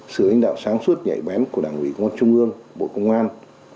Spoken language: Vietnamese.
sự lãnh đạo sáng suốt nhảy bén của đảng ủy quân trung ương bộ công an